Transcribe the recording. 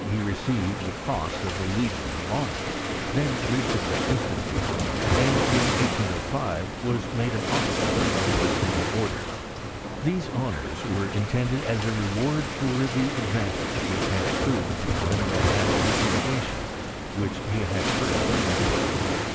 Iq 1803 he received the cross of the Legion of Honour, then recently instituted; and in 1S05 was made an officer of the same order. Thes& honours were intended aa a reward for the advantage which had accrued from the mineral acid fumi^ tions which he had first suggested.